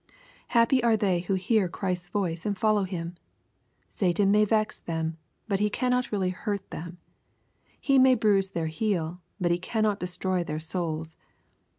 Happy are they who hear Christ's voice and follow Him ! Satan may vex them, but he cannot really hurt them ! He may bruise their heel, but he cannot destroy their souls.